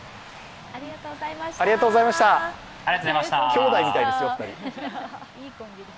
きょうだいみたいですよ、２人。